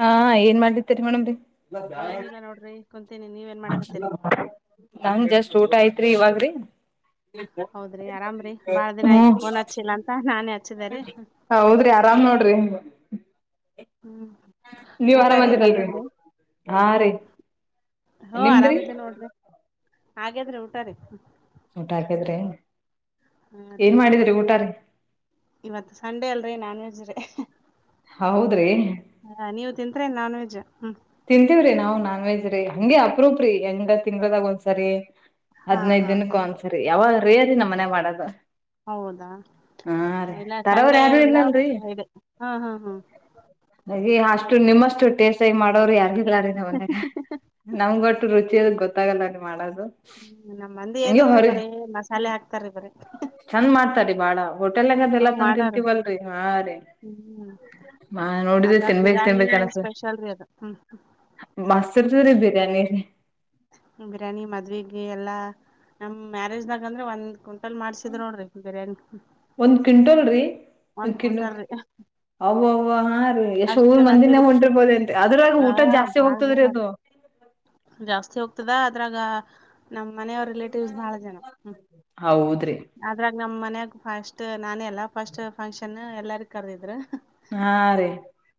ಹಾ ಏನ್ ಮಾಡ್ತ್ತರಿ ಮೇಡಮೀ. ಏನಿಲ್ಲ ನೋಡ್ರಿ ಕುಂತೇನಿ ನೀವ. ನಂಗ ಜಸ್ಟ್ ಊಟ ಐತ್ರಿ ಇವಾಗ್ರಿ. ಹೌದ್ರಿ ಆರಾಮ್ರಿ ಬಾಳ ದಿನ ಆಯ್ತ್ು ಹ್ಮ್ ಫೋನ್ ಹಚ್ಚಿಲ್ಲ ಅಂತ ನಾನೇ ಹಚ್ಚಿದಾರಿ. ಹ ಹೌದ್ರಿ ಆರಾಮ್ ನೋಡ್ರಿ ನೀ ಹ್ಮ್ ನೀವ್ ಊಟಾರಿ ಆರಾಮಂದಿರಲ್ರಿ ಹಾಗೇದ್ರಿ? ಹಾ ರೀ ಹೋ ನಿಮ್ದ್ರಿ ಆರಾಮಿದೆ ನೋಡ್ರಿ ಹಾಗಾದ್ರೆ ಊಟ ರೀ ಊಟ ಹಾಕಿದ್ರೆ ಹಾ ರೀ ಏನ್ ಮಾಡಿದ್ರಿ ಊಟಾರಿ ನಾನ್ ವಜ್ ರ ಹೌದ್ರಿ ನೀವು ತಿಂತತ್ರಿ ನಾನ್ ವಜ್ ತಿಂತೀವ್ರಿ ನಾವ್ ನಾನ್ ವೆಜ್ ರೀ ಹಂಗಗೆ ಅಪ್ರೂಪ್ರಿ ಹೆಂಗ ತಿಂಗಗಳದಾಗ ಒಂದ್ಸರಿ ಹಾ ಹದ್ನೈದ ಹಾ ದಿನಕ್ಕ ಹ್ಮ್ ಒಂದ್ಸರಿ ಯಾವ ರೀ ಅದ ನಮ್ಮ ಮನೆ ಮಾಡೋದು ಹೌದಾ ಹಾ ರೀ ಇಲ್ಲ ತರವ್ರ ಸಂಡೇ ಯಾರು ಎಲ್ಲ ಇಲ್ಲಲ್ರಿ ಇದೆ ಹ್ಮ್ ಹ್ಮ್ ಹ್ಮ್ ಹಾಗೆ ಅಷ್ಟ ನಿಮ್ಮಷ್ಟು ಟೇಸ್ ಮಾಡೋರು ಯಗಿಲ್ಲ ನಂದ ನಮ್ಗೊಟ್ಟು ರುಚಿ ಗೊತ್ತ ಗಲ್ಲ ಮಾಡದು. ಹ್ಮ್ ನಮ್ಮ ಮಂದಿ ಏನಿಲ್ರಿ ಬರೀ ಮಸಾಲೆ ಹಾಕ್ತಾರಿ ಬರರಿ. ಚಂದ್ ಮಾಡ್ತಾರಿೀ ಬಾಳ ಹೋಟೆಲ್ನಾಗ ಅದ ಹ್ಞೂ ಎಲ್ಲಾ ತಂದ ಮಾಡೋರ್ ತಿಂತೀವಲ್ರರಿ ಹಾ ರೀ. ಹ್ಮ್ ಹ ನೋಡಿದ್ರೆ ಅದ್ರಾಗ ತಿನ್ಬೇಕೇು ತಿನ್ಬೇಕ ಬಿರ್ಯಾನಿನೇ ಅನಸ ರೀ ಅದ್ ಹ್ಮ್. ಮಾಸ್ತರ್ದವ್ರೇ ಬೇ. [unintelligible] ಬಿರ್ಯಾನಿ ಮದ್ುವೆಗೆ ಎಲ್ಲಾ. ನಮ್ ಮ್ಯಾರೇಜ್ನಾಗ ಅಂದ್ರೆ ಒಂದ್ಂಟಲ್ ಮಾಡ್ಸಿದ್ರ ನೋಡ್ರಿ ಬಿರ್ಯಾನಿ. ಒಂದ್ ಕ್ವಿಂಟಲ್ ರೀ. ಒಂದ್ ಕುಂಟಲ್ ರಿ. ಅವ್ವ್ವ ಹಾ ರೀ ಎಷ್ಟ್ ಊರ್ ಮಂಜಿನೇ ಮಂದಿರಿ ಹೊಂಟಿರ್ಬೋದೇ ಅಂತೆ ಅದ್ರಾಗ ಆ ಊಟ ಜಾಸ್ತಿ ಬಾಳ ಹೋಗ್ತದ್ರೀ ಜನ ರೀ ಅದು. ಜಾಸ್ತಿ ಹೋಗ್ತದ ಅದ್ರಾಗ. ನಮ್ಮ್ ಮನೆಯವ ರಿಲೇಟಿವ್ಸ್ ಬಹಳ ಜನ ಹೌದ್ರಿ ಅದ್ರಾಗ ನಮ್ ಮನಾಗ. ಫಸ್ಟ್ ನಾನೇ ಎಲ್ಲಾ ಫಸ್ಟ್ ಫಂಕ್ಷನ್ ಎಲ್ಲಾರ ಕರ್ದಿದ್ರು. ಹಾ ರೀ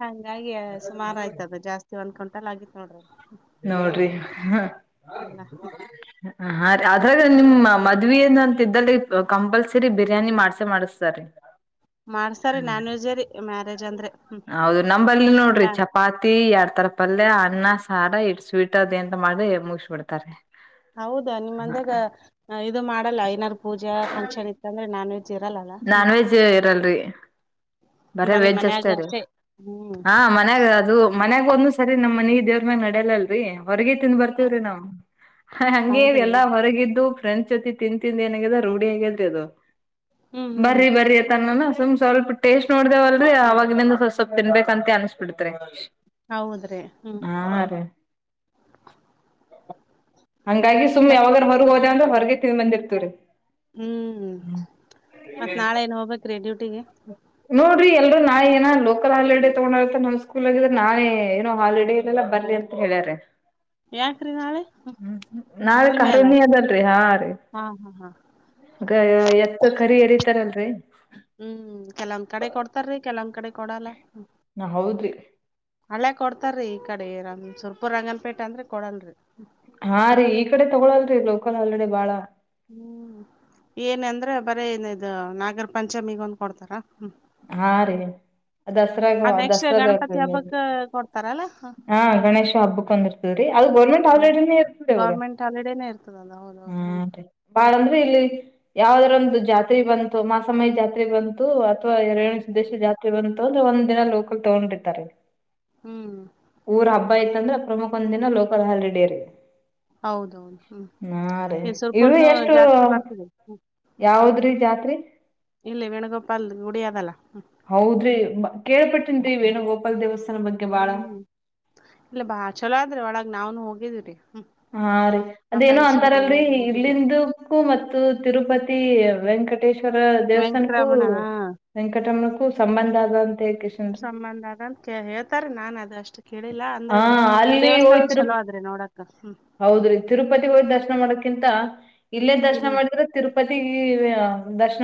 ಹಂಗಾಗಿ ಸುಮಾರು ಆಯ್ತದ ಜಾಸ್ತಿ ಒಂದ್ ಕುಂಟಲ್ ಆಗಿತ್ತು ನೋಡ್ರಿ. ನೋಡ್ರಿ ಎಲ್ಲ [unintelligible] ಅದ್ರಾಗ ನಿಮ್ ಮದ್ ಏನಂತ್ದಲ್ಲಿ ಕಂಪಲ್ಸರಿ ಬಿರಿಯಾನಿ ಮಾಡ್ಸ ಮಾಡಿಸತಾರಿ. ಮಾಡ್ಸಾರಿ ಹ್ಮ ನಾನ್ ವೆಜ್ಜೇ ರೀ ಮ್ಯಾರೇಜ್ ಅಂದ್ರೆ ಹ್ಮ್ ಹೌದು ನಂಬಲ್ಲಿ ಇಲ್ಲ ನೋಡ್ರಿ ಚಪಾತಿ ಯಾರ್. ಆ ತರ ಪಲ್ಯ ಅನ್ನ ಸಾರ ಇಟ್ ಸ್ವೀಟ್ ಅದ ಎಂತ ಮಾಡಿ ಮುಗಸಬಿಡ್ತಾರೆ. ಹೌದಾ ನಿಮ್ಂದಾಗ ಇದು ಮಾಡಲ್ಲ ಐನಾರ ಪೂಜಾ ಫಂಕ್ಷನ್ ಇತ್ತ ಅಂದ್ರೆ ನಾನ್ ವಜ್. ನಾನ್ ವೆಜ್ ಇರಲ್ರಿ. ಬರ ಬರೀ ವೆಜ್ಜ್ ಮನ್ಯಾಗ ಅಷ್ಟೇ ರೀ ಹ್ಮ್ ಹಾ ಮನ್ಯಾಗ ಅದು. ಮನ್ಯಾಗ ಒಂದ ಸರಿ ನಮ್ ಮನೆ ದೇವ್ರ ಮ್ಯ್ ನಡ್ಯಲಲ್ರರಿ. ಹೊರಗ ತಿಿಂದ ಬರ್ತವ್ರಿ ನಾವವು ಹಂಗಗೆ ಹೌದ್ರಿ ಎಲ್ಲಾ ಹೊರಗಿದ್ದು. ಫ್ರೆಂಚ್ ಜೊತಿ ತಿನ್ಂತಿಂದ ಏನಗದ ರೂಢಿಯಾಗಿೇಲ್ತದು ಹ್ಮ್ ಹ್ಮ್ ಬರ್ರಿ ಬರ್ರಿ ಅಂತಾನಾ. ಸುಮ್ ಸ್ವಲ್ಪ ಟೇಸ್ಟ್ ನೋ್ದೇವಲ್ರರಿ ಆವಾಗಿನಿಂದ ಸ್ ಸ್ವಪ್ ತಿನ್ಬೇಕ್ ಅಂತ ಅನ್ಸ್ಬಿಡ್ತ್ರರಿ. ಹೌದ್ರಿ ಹ್ಮ್ [unintelligible] ಹಂಗಾಗಿ ಸುಮ್ಮ್ ಮತ್ ಯಾವಾಗಾರ ಹರಗೆ ಹೋದಂದ್ರ ಹೊರಗೆ ತಿಿಂದ ಬಂದಿರ್ತವರಿ. ಹ್ಮ್ ಮತ್ತ್ ನಾಳೆ ಏನ್ ಹೋಗ್ಬೇಕ್ರಿ ಡ್ಯೂಟಿಗೆ. ನೋಡ್ರಿ ಎಲ್ರುೂ ನಾ ಏನ ಲೋಕಲ್ ಹಾಲಿಡೆ ತಗೊಂಡ ನಮ್ಮ್ ಸ್ಕೂಲ್ಗಿದ್ರೆ ನಾನೇ ಏನೋ ಹಾಲಿಡೇ ಇಲ್ಲಲ್ಲ. ಬಲಿ ಅಂತ ಹೇಳ್ಯಾರ. ಯಾಕ್ರಿ ನಾಳೆ ಹ್ಮ ನಾಳ ಹುಣ್ಣಿಮೆ ಅಲ್ಲ ಅರುಣಿ ಅದಲ್ರಿ ಹಾ ರೀ. ಹಾ ಹಾ ಹಾ ಎತ್ ಕರಿ ಎರಿತಾರಲ್ರಿ. ಹ್ಮ್ ಕೆಲವೊಂದ್ ಕಡೆ ಕೊಡ್ತಾರೀ ಕೆಲವಂದ್ ಕಡೆ ಕೊಡಲ್ಲ. ನಾ ಹೌದ್ರಿ ಹಳ್ಳೆ ಕೊಡ್ತಾರಿ. ಕಡೆ ರಂಗ ಸುರ್ಪುರ್ ರಂಗನಪೇಟೆ ಅಂದ್ರೆ ಕೊಡಲ್ರಿ. ಹಾ ರೀ ಈ ಕಡೆ ತಗೊಳಲ್ರರಿ ಲೋಕಲ್ ಆಲ್ರೆಡಿ ಬಾಳ. ಹ್ಮ್ ಏನ ಅಂದ್ರೆ ಬರೇ ನ್ದು ನಾಗರ ಪಂಚಮಿಗ ಒಂದ್ ಕೊಡ್ತಾರ. ಹಾ ರೀ ದಸರಾಗ ಅದ್ ನೆಕ್ಸ್ಟ್ ದಸರಾದ ಗಣಪತಿ ಹಬ್ಬಕ್ ಕೊಡ್ತಾರಲ್ಲ ಹ [unintelligible] ಗಣೇಶ ಹಬ್ಬಕ್ಕೆ ಒಂದಿರ್ತದೆ ಅದು ಗೌರ್ಮೆಂಟ್ ಹಾಲಿಡೇನೆ ಇರುತ್ತೆ ಅವಾಗ ಗೌರ್ಮೆಂಟ್ ಹಾಲಿಡೇನೆ ಇರ್ತದಲ್ಲ ಹಾ ಹೌದೌದು ರಿ ಬ ಇಲ್ಲಿ ಯಾವದ್ರ ಒಂದು ಜಾತ್ರೆ ಬಂತು ಮಾಸಮಯಿ ಜಾತ್ರೆ ಬಂತು. ಅವಾ ಎರ ಹ್ಮ್ ದೇಶದ ಹ್ಮ್ ಜಾತ್ರೆ ಬಂತು ಅ್ರೆ ಒಂದ್ಿನ ಲೋಕಲ್ ತಗೊಂಡಿರ್ತಾರೆ. ಹ್ಮ್. ಹ ಆಯತ ಅಂದ್ರೆ ಪ್ರಮುಖ ಒಂದ ದಿನ ಲೋಕಲ್ ಹಾಲಿಡೇ ರೀ ಹೌದೌದು ಹ್ಮ್ ನಾ ರೇ ಇಲ್ಲಿ ಇವರು ಸುರಪುರನು ಎಷ್ಟು. ಜಾತ್ರಿ ಬರ್ತದೆ ಯಾವದ್ರಿ ಜಾತ್ರಿ. ಇಲ್ಲ ವೇಣುಗೋಪಾಲ್ ಗುಡಿಿಯ ಅದಲ್ಲ. ಹೌದ್ರಿ ಕೇಳ್ಬಟ್ಟೇನ್ೀವೇಏನ ಗೋಪಾಲ್ ದೇವಸ್. ಹ್ಮ್ ಇಲ್ಲ ಬಾ ಚಲೋ ಆದ್ರೆ ಒಳಗ್ ನಾವನ್ ಹೋಗಿದೀ್ರರಿ. ಹಾ ರೀ ಅದೇನೋ ಅಂತಾರಲ್ರಿ ಅದು ಹೋಗಿದ್ದೆ ಇಲ್ಲಿಂದಕ್ಕೂ ಮತ್ತು ತಿರುಪತಿ ವೆಂಕ್ ವೆಂಕಟೇಶ್ವರ ದೇವಸ್ಥಾನಕು ವೆಂಕಟರಮಣ ಹಾ ವೆಂಕಟಮ್ಮನಕ್ಕೂ ಸಂಬಂಧ ಆದಂತೆ ಕಿಶನ್ ರಿ ಸಂಬಂಧ ಅದ ಅಂತ ಕೇ ಹೇಳ್ತಾರ ನಾನ್ ಅದ ಅಷ್ಟು ಕೇಳಿಲ್ಲ ಹ ಅಂದ್ರ ಅಲ್ಲಿ ದೇವಸ್ಥಾನ ಹೋಯ್ತ್ ತಿರುಪ ಚಲೋ ಆದ್ರಿ ನೋಡಾಕ ಹ್ಮ್ ಹೌದ್ರಿ ತಿರುಪತಿಗೆ ಹೋಗ್ ದರ್ಶನ ಮಾಡಕ್ ಕಿಂತ ಇಲ್ಲೇ ದರ್ಶನ ಇಲ್ಲಿ ಮಾಡಿದ್ರೆ ತಿರುಪತಿ ದರ್ಶ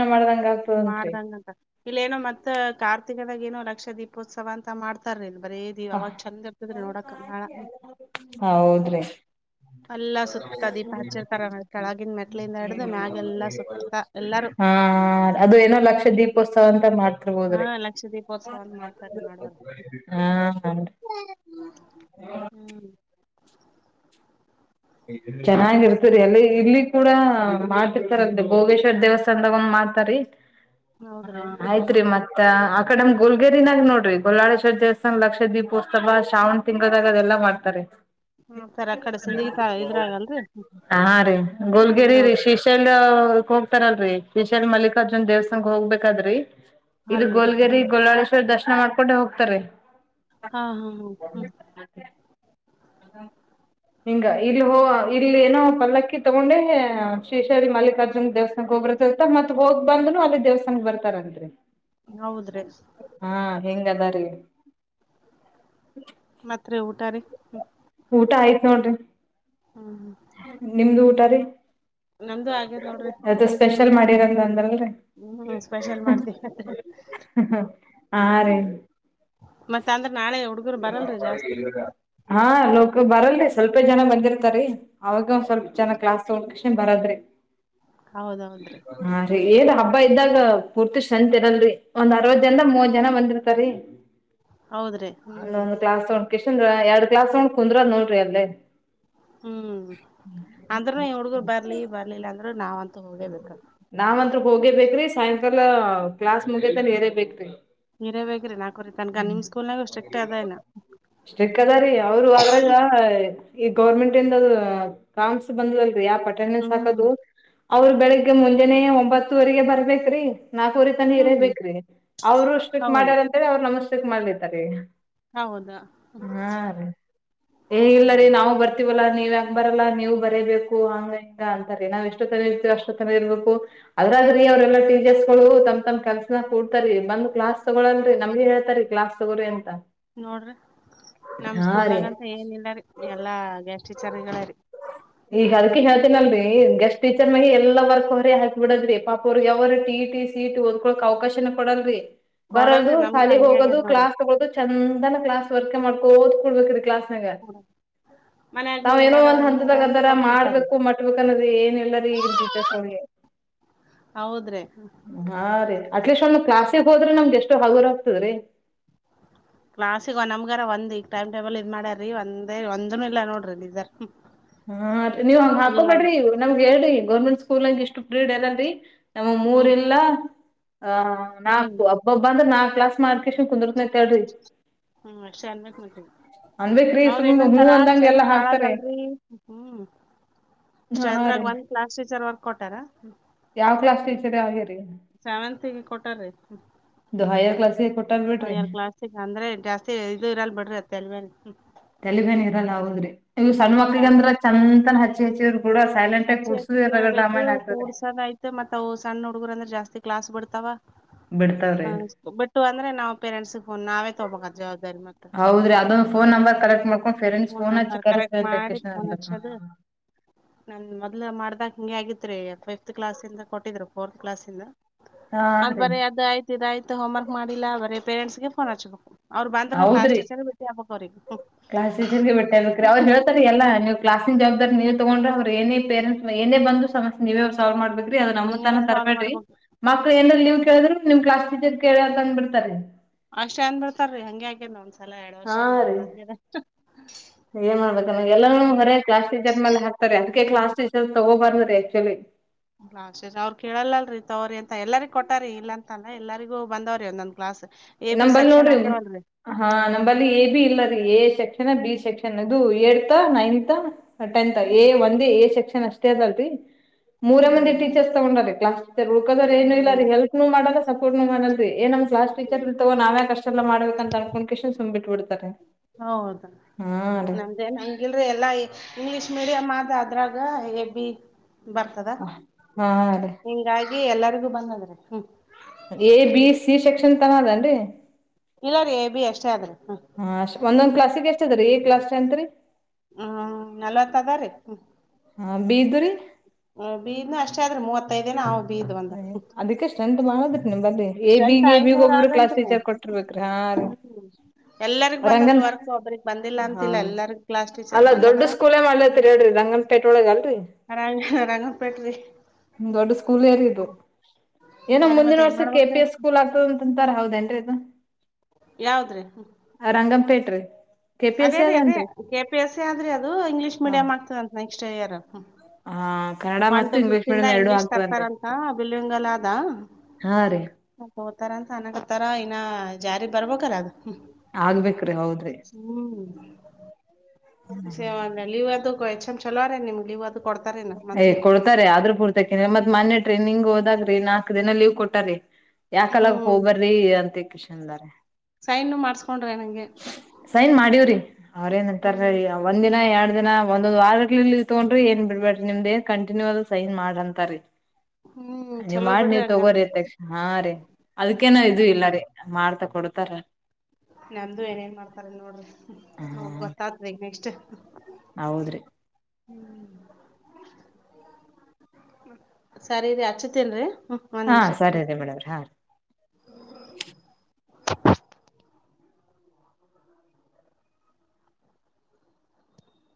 ಹ್ಮ ಮಾಡ್ದಂಗಂತ ಇಲ್ಲೇಏನೋ ಮತ್ತ ಕಾರ್ ಗಳೆಏನು ಲಕ್ಷ ದೀಪೋತ್ಸವ ಅಂತ ಮಾಡ್ತಾರ್ ರಿ ಹಾ ಹ್ಮ್ ಹೌದ್ರಿ ಎಲ್ಲಾ ಸುತ್ತ ದೀಪ ಹಚ್ಚಿರ್ತಾರ ಕೆಳಗಿನ್ ಮೆಟ್ಳಿಂದ ಹಿಡ್ದ್ ಮ್ಯಾಗೆ ಎಲ್ಲಾ ಸುತ್ತ ಎಲ್ಲಾರು ಹಾ ಹ ಅದು ಏನೋ ಲಕ್ಷ ದೀಪೋತ್ಸವ ಅಂತ ಮಾಡ್ ಹಾ ಡ್ಬೋದ್ರಿ ಲಕ್ಷ ದೀಪೋತ್ಸವ ಅಂತ ಮಾಡ್ತಾರ್ರಿ ಮಾಡೋರು [inaudible] ಹಾ ಹ್ಮ್ [inaudible] ಮತ್ರಿ ಚೆನ್ನಾಗಿರ್ತರಿ ಅಲ್ಲಿ ಇಲ್ಲಿ ಕೂಡ ಮಾಡ್ತಿರ್ತಾರ ಭೋಗೇಶ್ವರ್ ದೇವಸ್ಥಾನನ್ದಾಗ ಒಂದ್ ಮಾಡ್ತಾರಿ ಹ ಹೌದ್ರಿ ಹ್ಮ್ ಆಯ್ತ್ರಿ ಮತ್ತ ಅಕಡೆ ನಮ್ ಗೋಲ್ಗೇರಿಯಾಗ ನೋಡ್ರಿ ಗೋಲ್ಲಾಳೇಶ್ವರ ದೇವಸ್ಥಾನನ್ ಲಕ್ಷ ದೀಪೋತ್ಸವ ಶ್ರಾವಣ ತಿಂಗಳದಾಗ ಅದೆಲ್ಲ ಮಾಡ್ತಾರೆ ಮಾಡ್ತಾರ ಆಕಡೆ ಸಿಂದಗಿ ತಾ [inaudible] ಇದ್ರಾಗಲ್ರಿ ಹಾ ರೀ ಸಿಂದಗಿ ಗೋಲ್ಗಿರಿ ರೀ ರೋಡ್ ಶ್ರೀಶೈಲ್ ಹೋಗ್ತಾರೆ ರಿ ವಿಶಾಲ್ ಮಲ್ಲಿಕಾರ್ಜುನ್ ದೇವಸ್ಥಾನ್ ಹೋಗ್ಬೇಕಾದ್ರೀ ಇದು ಅಲ್ಲಿ ರೀ ಗೋಲ್ಗರಿ ಹ್ಮ್ ಗೋಲ್ಲಳೇಶ್ವರ್ ದರ್ಶ್ ಮಾಡ್ಕೊಂಡೆ ಹೋಗ್ತಾರೆ ಹಾ ಹಾ ಹ ಹ್ಮ ನಿಂಗ ಇಲ್ಲಿ ಹೋ ಇಲ್ಲಿ ಏನೋ ಪಲ್ಲಕ್ಕಿ ತಗೊಂಡೆ ಶೇಷರಿ ಮಲ್ಲಿಕಾರ್ಜುನ ದೇವಸ್ಥಾನಕ್ಕೆ ಹೋಗ್ ಬರಕಾಗತ್ ಮತ್ ಹೋಗ್ ಬಂದ್ನು ಅಲ್ಲಿ ದೇವಸ್ಥಾನಕ್ಕೆ ಬರ್ತಾರ್ ಅಂತ್ರಿ ಹೌದ್ರೀ ಹೆಂಗ್ ಅದ ರೀ ಮತ್ ರಿ ಊಟ ರೀ ಊಟ ಆಯ್ತ್ ನೋಡ್ರಿ ಹ್ಮ್ ನಿಮ್ದು ಊಟ ರೀ ನಮ್ದು ಆಗ್ಯದ ನೋಡ್ರಿ ಅದು ಸ್ಪೆಷಲ್ ಮಾಡಿರಂದ್ ಅಂದಲ್ರಿ ಹ್ಮ್ ಸ್ಪೆಷಲ್ ಮಾಡ್ತೀವಿ ಹಾ ರಿ ಮತ್ ಅಂದ್ [inaudible] ಹಾ ಲೋಕ ಬರಲ್ ರೀ ಸ್ವಲ್ಪ ಜನ ಬಂದಿರ್ತಾರಿ ಅವಾಗ ಸ್ವಲ್ಪ ಜನ ಕ್ಲಾಸ್ ತಗೊ ಕ್ಷಣ ಬರದ್ರಿ ಹೌದ್ ಹೌದ್ರಿ ಹಾ ರೀ ಏನ್ ಹಬ್ಬ ಇದ್ದಾಗ ಪೂರ್ತಿ ಸಂತ್ ಇರಲ್ರಿ ಒಂದ್ ಅರವತ್ ಜನ್ದಾಗ ಮೂವತ್ ಜನ ಬಂದಿರ್ ತರಿ ಹೌದ್ರಿ ಹ್ಮ್ ಕಶಂದ್ರ ಎರಡ್ ಕ್ಲಾಸ್ ನೋ ಕುಂದ್ರ ಅ ನೋಡ್ರಿ ಅಲ್ಲೇ ಹ್ಮ್ ಅಂದ್ರೂನು ಇ ಹುಡಗುರ ಬರ್ಲಿ ಬರ್ಲಿಲ್ಲ ಅಂದ್ರರು ನಾವ್ಂತ ತಲೇಬೇಕಾ ನಾವಂತ್ರು ಹೋಗೇಬೇಕ್ರಿ ಸಾಯಂಕಾಲ ಕ್ಲಾಸ್ ಮುಗತ ಹೇರೇ ಬೇಕ್ರಿ ನೀರೇ ಬೇಕ್ ರಿ ನಾಕುವರಿ ತನ್ಕ ನಿಮ್ ಸ್ಕೂಲ್ನಾಗ ಅಷ್ಟೆಕ್ ಅದಾಏನ ಸ್ಟಿಕ್ ಅದಾರಿ ಅವರು ಅದ್ರಾಗ ಈ ಗೌರ್ಮೆಂಟ್ ಇಂದ ಕಾಮ್ಸ್ ಬಂದದಲ್ರಿ ಯಾಪ ಅಟೆಂಡೆನ್ಸ್ ಹ್ಮ್ ಹಾಕದು ಅವ್ರು ಬೆಳಿಗ್ಗೆ ಮುಂಜಾನೇ ಒಂಬತ್ತುವರೆಗೆ ಬರ್ಬೇಕ್ರೀ ನಾಲ್ಕೂರಿತನೀ ಇರೇ ಹ್ಮ್ ಬೇಕ್ರಿ ಅವ್ರು ಸ್ಟ್ರಿಕ್ ಹೌದ ಮಾಡ್ಯಾರಂತೆಳಿ ಅವ್ರು ನಮ ಸ್ಟ್ರಿಕ್ ಮಾಡ್ಲತಾರಿ ಹೌದ ಹಾ ರೀ ಏ ಇಲ್ಲ ರೀ ನಾವು ಬರ್ತಿವಲ್ಲ ನೀವ ಯಾಕ್ ಬರಲ್ಲ ನೀವು ಬರೀಬೇಕು ಹಂಗ ಇಂಗ ಅಂತಾರೆ ನಾವ್ ಎಷ್ಟತ್ ಅಷ್ಟ ಇರ್ಬೇಕು ಅದ್ರ್ರೀ ಅವ್ರಲ್ಲಾ ಟೀಚರ್ಸ್ಗಳು ತಮ್ಮ್ ತಮ್ಮ್ ಕಲ್ಸನ ಕಡ್ತಾರೆ ಬಂದ ಕ್ಲಾಸ್ ತೊಗೋಳಲ್ರಿಮಗೆ ಹೇಳ್ತಾರಿ ಕ್ಲಾಸ್ ತಗೋಿ ಅಂತ ನೋಡ್ರಿ ನಮ್ ಹಾ ಸ್ಕೂಲ್ ರೀ ನಾಗಂತ ಏನ ಇಲ್ಲರಿ ಎಲ್ಲಾ ಗೆಸ್ಟ್ ಟೀಚರ್ಗಳರಿ ಮಿ ಎಲ್ಲ ವರ್ಕ್ ಅವರೇ ಹಲ್ಕ್ ಬಿಡದ್ರಿ ಪಾಪ ಅವರು ಯವ್ರ ಟಿ ಸಿ ಟಿ ಓದ್ಕೊಕ್ ಅವಕಾಶನ ಕೊಡಲ್ರರಿ ಬರೋದು ಕೊಡಲ್ರಿ ನಮ್ಗೂ ಶಾಲೆಗೆ ಹಂಗೆ ಹೋಗೋದು ಆಗ್ಯದ ನೋಡ್ರಿ ಕ್ಲಾಸ್ ತಗೋದು ಚಂದನ ಕ್ಲಾಸ್ ವರ್ಕ್ ಮಾಡ್ಕೋದ್ಕಡ್ಬೇಕ್ರ ಕ್ಲಾಸ್ ಹ್ಮ ಮನಾಗಲಿ ಏನಾರ ಒಲ್ಲ ದಾಗ ಅದಾರ ಮಾಡ್ಬೇಕು ಮಟ್ಬೇಕ ಅನ್ನದ ಏನ್ ಎಲ್ಲರ ಈಗೀತ ಸೋಳಗೆ ಹೌದ್ರೆ ಹಾ ರೀ ಅಟ್ಲೀಸ್ಟ್ ಒಂದು ಕ್ಲಾಸಿಗೆ ಹೋದ್ರೆ ನಮ್ಗೆ ಎಷ್ಟು ಹಗುರ ಆಗ್ತದ್ರೀ ಕ್ಲಾಾಸಿಗ ನಮ್ಗಾರ ಒಂದ್ ಈಗ ಟೈಮ್ ಟೇಬಲ್ ಇದ್ ಮಾಡ್ಯಾರೀ ಒಂದೇ ಒಂದನು ಇಲ್ಲ ನೋಡ್ರಿ ನಿರ್ ಹಾರಿ ನೀವ್ ಹಂಗ ಹಾಕೋಬೇಡ್ರಿ ನಮ್ಗೆ ಹೇಳ್ರಿ ಗೋರ್ಮೆಂಟ್ ಸ್ಕೂಲ್ಂಗ ಇಷ್ಟು ಫ್ರೀಡ್ ಅಲ್ಲಲ್ರರಿ ನಮ್ಮ ಹ್ಮ್ ಮೂರಿಲ್ಲ ಆ ಹ್ಮ್ ನಾಲ್ಕು ಹಬ್ಬಬ್ಬ ಅಂದ್ರೆ ನಾಲ್ಕು ಕ್ಲಾಸ್ ಮಾಡ್ಕೇಶನ್ ಕುಂದ್ರತ್ರಿ ಹ್ಮ್ ಅಷ್ಟನ್ಬೇಕಕ್ ಮತ ಅನ್ಬೇಕ್ರಿ ಅವ್ರ ಸುಮ್ ಹೂ ಏನಂತಾರ ಅಂದಂಗ ಎಲ್ಲಾ ಸೆಂತ್ ಹಾಕ್ತಾರೆ ಬಾಳದಲ್ರರಿ ಹ್ಮ್ ಅಷ್ಟ ಹಾ ಅಂದ್ರಾಗ ಬಂದ ಕ್ಲಾಸ್ ಟೀಚರ್ ವರ್ಕ್ ಕೊಟ್ಟಾರ ಯಾವ ಕ್ಲಾಸ್ ಟೀಚರ್ ಯ ಆೆ ಸೆವೆಂತ್ಗೆ ಕೊಟಾರೀ ಇದು ಹೈಯರ್ ಕ್ಲಾಸಿಗೆ ಕೊಟ್ಟಾರ ಬಿಡ್ರಿ ಹಾರ್ ಕ್ಲಾಸ್ ಅಂದ್ರೆ ಜಾಸ್ತಿ ಇ ಇರಲ್ ಬಿಡ್ರಿತ್ತ ಅಲ್ ಮೇಲೆ ತಲೆಬೇನ್ ಇರಲ್ಲದ್ರಿ ಇವ ಸಣ್ಣ ಮಕ್ಳಿಗೆಗ ಹ್ಮ್ ಅಂದ್ರ ಚಂದನ ಹಚ್ಚಿ ಹಚ್ಚಿ ಅಚ್ಚಿ ಅಚ್ಚಿ ಕೇಳ್ಬೇಕು ಆಗ್ತದೆ ಕೂರ್ಸದ ಆಯ್ತು ಮತ್ ಅವು ಸಣ್ಣ ಹುಡುಗರ್ ಅಂದ್ರೆ ಜಾಸ್ತಿ ಕ್ಲಾಸ್ ಬಿಡ್ತಾವ ಬಿಡ್ತಾವ್ರಿ ಹ ಬಿಟ್ಟು ಅಂದ್ರೆ ನಾವವು ಪೇರೆಂಟ್ಸಗ್ನ್ ನಾವೇ ತಗಬಬೇಕದ ಜವಾಬ್ದಾರಿ ಮತ್ತ ಅದು phone number correct phone number correct ಮಾಡಿ ಫೋನ್ ಹಚ್ಚದು ನನ್ ಮೊದ್ಲು ಮಾಡ್ದಕ್ ಹಂಗೆ ಆಗಿತ್ತು ರೀ ಫಿಫ್ತ್ ಕ್ಲಾಸಿಂದ ಕೊಟ್ಟಿದ್ರು ಫೋರ್ತ್ ಕ್ಲಾಸಿಂದ ಹಾ ಅದ್ ರೀ ಬರ ಅದು ಆಯ್ತು ಆಯ್ತು ಹೋಮ್ರ್ಕ್ ಮಾಡಿಲ್ಲಾ ಬರೇ ಪೇರೆಂಟ್ಸ್ ಫೋನ್ ಹಚ್ಬೇಕು ಅವ್ರು ಬಂದ್ರ ನ ಕ್ಲಾಸ್ ಹೌದ್ರಿ ಟೀಚರ್ ಬಿಟ್ಟಿ ಹಬ್ಬಕ್ ಅವ್ರಿಗೆ ರಿಗೆ ಬಿಟ್ಟೆ ಅ್ರ ಹೇಳ್ತಾರೆ ಎಲ್ಲ ನೀವು ಕ್ಲಾಸಿನ ಜವಾಬ್ದಾರಿ ನೀವ ತಗೊಂಡ್ರ ಅವ್ರರು ನೇ ಪೇರೆಂಟ್ಸ್ ನೇ ಬಂದು ಸಮಸ್ಯ ನೀವೇ ಅವ್ ಸಾವ ಮಾಡ್ಬೇಕು ರಿ ಅದ ನಮ್ಮ ನೀವೇ ತನ ಸಾಲ್ವ್ ತರಬೇಡ್ರ ಮಾಡ್ಬೇಕು ಮಕ್ಳ ಏನ ಲ ನೀವ್ ಕೇಳಿದ್ರರು ನಿಮ್ ಕ್ಲಾಸ್ ಟೀರ್ ಕೇಳ ಅಂದ್ ಬಿಿಡ್ತಾರೀ ಅಷ್ಟ್ ಏನ್ ಬಿಿಡ್ತಾರೀ ಹಂಗಗೆ ಆಗೇನ್ ಒಂದ್ಸಲ ಎರಡ್ ವರ್ಷ ಹಾ ರೀ ಅನ್ನ್ ಆಗ್ಯ ಏನ್ ಮಾಡ್ಬೇಕ ಎಲ್ಲರೂ ಹೊರ ಕ್ಲಾಸ್ ಟೀಚರ್ ಮೇಲೆ ಹಾತಾರೆ ಅದಕ್ಕೆ ಕ್ಲಾಸ್ ಟೀಚರ್ ತಗೋಬಾರ ಆಕ್ಚುಲಿ ಗ್ಲಾ ಅವ್ರರು ಕೇಳಲ್ಲಲ್ರರಿ ತವ್ರಿ ಅಂತ ಎಲ್ಲರಿ ಕೊಟ್ಟಾರಿ ಇಲ್ಲ ಅಂತಲ್ಲ ಎಲ್ಲರಿಗೂ ಬಂದವ್ರಿ ಒಂದೊಂದ ಗ್ಲಾಸ್ ನಂಬಲ್ಲಿ ನೋಡ್ರಿ ಹಾ ಹ್ಮ್ ನಂಬಲ್ಲಿಏ ಬಿ ಇಲ್ಲರೀಏ ಶಕ್ ಬಿ ಸೆಕ್ಷನ್ ಇದು ಏ ನೈತ್ ಟೆತ್ ಎ ಹ್ಮ್ ಒಂದೇ ಎ ಸೆಕ್ಷನ್ ನ್ ಅಷ್ಟೇ ಅದಲ್ರಿ ಮೂರ ಮಂದಿ ಹ್ಮ್ ಟೀಚರ್ಸ್ ತಗೊಂಡಾರೆ ಕ್ಲಾಸ್ಟರ್ ಹುಕೋ್ರ ಏನು ಇಲ್ಲ ಹ್ಮ್ ಹೆಲ್ಪ್ನುೂ ಮಾಡಲ್ಲ ಸಪೋರ್ಟ್ನು ಮಾಡಲ್ಲ ಏ ನಮ್ಲಾ ಟೀಚರ್ ಇ ತಗೋ ನಾವೇ ಅಷ್ಟ ಎಲ್ಲ ಮಾಡಬೇಕ ಅನ್ಕೊಂಡ ಕಷನ್ು್ ಬಿಟ್ಬ ಬಿಡ್ತಾರೆ ಹೌದಾ ನಮ್ದೇ ಹಂಗಿಲ್ರಿ ಎಲ್ಲಾ ಇಂಗ್ಲಿಷ್ ಮೀಡಿಯಂ ಆದ ಅದ್ರಾಗ ಎಬ ಬರ್ತದ ಹಾ ರೀ ಹ ಎಲ್ಲರಿಗು ಬಂದದ್ರೆ ಎ ಬಿ ಸಿ ಸೆಕ್ಷನ್ ತರದ ರರಿ ಇಲ್ಲ ರೀ ಎ ಬಿ ಅಷ್ಟೇ ಆದ್ರಿ ಹ್ಮ್ ಹಾ ಅಷ್ಟ ಒಂದೊಂದ್ ಕ್ಲಾಸ್ಿಗೆ ಎಷ್ಟದ್ರೀ ಈ ಕ್ಲಾಸ್ ಅತ್ರಿ ಹ್ಮ್ ನಲ್ವತ್ತದಾರ ಹ ಬೀದರಿ ಬೀನು ಅಷ್ಟೇ ಆದ್ರೆ ಮೂವತ್ತೈದೇಿನ ಹ್ಮ ಅದಕ್ಕೆಷ್ಟ ನ ಮಾಡದ್ರಿ ನೀಮ್ ಬ್ರಿ ಸ್ಟ್ರೆಂತ್ ಬೀಗ್ ಬೀಗ್ ಐದ್ನೂರ್ ಒಬ್ಬಬ್ರು ಕ್ಲಾಸ್ ಆಗಂತ್ರಿ ಟೀಚರ್ ಕೊಟ್ಟಿರ್ಬೇಕ್ರೀ ಹಾ ರೀ ಹ್ಮ್ ಎಲ್ಲರಿಗ್ ಬಂದದ್ರಿ ವರ್ಕ್ ಒಬ್ರಿಗ್ ಬಂದಿಲ್ಲ ಹ ಅಂತಿಲ್ಲ ಎಲ್ಲರಿಗ್ ಕ್ಲಾಸ್ ಟೀಚರ್ ಅಲ್ಲ ಬಂದದ ದೊಡ್ ಸ್ಕೂಲ್ ಮಾಡಲ ರಂಗನ್ ಪೇಟ ಒಳಾಗಲ್ ರರಿ ರಂಗ ರಂಗಪೇಟ ರ ದೊಡ್ ಸ್ಕೂಲ್ ಏರಿ ಏನೋ ಹಾ ರೀ ಮುಂದಿನ ಮತ್ತ್ ಏನ್ ವರ್ಷ ಮಾಡ್ಬೇಕ್ರಿ ಕೆಪಿ ಎಸ್ ಸ್ಕೂಲ್ ಆಗ್ತದ ಅಂತಂತಾರ ಹೌದೇಏನ್ರೀ ಇದು ಯಾವ್ದ್ರಿ ರಂಗಂಪೇಟ ರೀ ಕೆ ಪಿ ಎಸ್ ಅದೇ ಸಿ ರೀ ಅದೇ ಅದನ್ರಿ ಕೆ ಪಿ ಎಸ್ ಸಿ ಆದ್ರಿ ಅದು ಇಂಗ್ಲೀಷ್ ಹ ಮೀಡಿಯಂಆಗ್ತದಂತ ನೆಕ್ಸ್ಟ್ ಇಯರ್ ಹಾ ಕನ್ನಡ ಒನ್ ಮತ್ತು ಟು ಇಂಗ್ಲೀಷ್ ಫಿಫ್ತ್ ಇಂದ ಮೀಡಿಯಂ ಎರಡು ಇಂಗ್ಲೀಷ್ ಆಗ್ತದನ್ರಿ ತರ್ತಾರಂತ ಬಿಲ್ವಿಂಗಲ ಅದ ಹಾ ರೀ ಹತ್ತಾರ ಅಂತ ಅನಗತ್ತಾರ ಇನ್ನ ಜಾರಿ ಬರ್ಬೇಕಾರ ಅದು ಆಗ್ಬೇಕ್ರಿ ಹೌದ್ರಿ ಸೇವಂದ್ರ ನೀವ ಅದು ಹೆಚ್ಂ ಚಲೋರ ನಿಮಗೆ ಏ್ ಕೊಡ್ತಾರೆ ಆದ್ರೂ ಪೂರ್ತಾಕ ಮತ್ ಮೊನ್ೆ ಟ್ರೈನಿಂಗ್ ದಾಗ್ರಿ ನಾಲ್ಕ್ ದಿನ ಲೀವ್ ಕೊಟಾರರಿ ಯಾಕಲ್ಲಕ್ ಹ್ಮ್ ಹೋಗ್ಬರ್ರಿ ಅಂತ ಕಷ ಅನ್ಾರ ಮಾಡ್ಸಕೊಂಡ್ರ ನಂಗೆ ಸೈನ್ ಮಾಡೀವ್ರಿ ಹ್ಮ್ ಅವ್ರಏನ್ಂತಾರ ಒಂದಿನ ಎರಡ್ ನ ಒಂದೊಂದ್ ವಾರ ತೊಗೊಂಡ್ರಿ ಏನ್ ಬಿಡ್ಬೇಡ್ರಿ ನಿಮ್ದ್ ನ್ ಕಟಿನ್ಯೂ ಅ ಆದ್ ಸೈನ್ ಮಾಡ್ ಅಂತಾರರಿ ಹ್ಮ್ ನೀವ್ ಚೊಲೋ ಮಾಡಿ ಬಿಡ್ರಿ ನೀವ್ ಹಂಗಂದ್ರ ತಗೋರಿ್ರಿ ತಕ್ಷಣ ಹಾ ರೀ ಅದಕೇನಾವ ಇದು ಇಲ್ಲ ನಮ್ದು ರೀ ಮಾಡ್ತಕ್ಕ ಕೊಡ್ತಾರ ನಮ್ದು ಏನೇನ್ ಮಾಡ್ತಾರ ನೋಡ್ರಿ ನೋ ಹಾ ಗೊತ್ತಾದ ಈಗ ನೆಕ್ಸ್ಟ್ ಹೌದ್ರಿ ಹ್ಮ ಸರಿರಿ ಅಚ್ಚತೇನ್ರರಿ ಹಾ ಸರಿ ಅದೇ ಮೇಡವ್ರಿ ಹಾ ರ